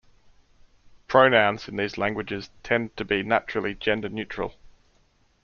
Pronouns in these languages tend to be naturally gender-neutral.